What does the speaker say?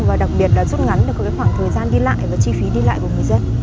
và đặc biệt là rút ngắn được khoảng thời gian đi lại và chi phí đi lại của người dân